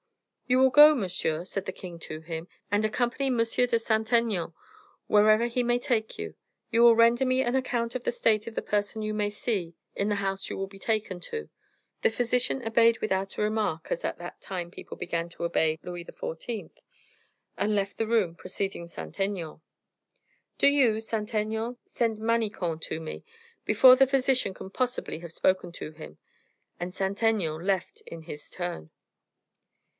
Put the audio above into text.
"You will go, monsieur," said the king to him, "and accompany M. de Saint Aignan wherever he may take you; you will render me an account of the state of the person you may see in the house you will be taken to." The physician obeyed without a remark, as at that time people began to obey Louis XIV., and left the room preceding Saint Aignan. "Do you, Saint Aignan, send Manicamp to me, before the physician can possibly have spoken to him." And Saint Aignan left in his turn.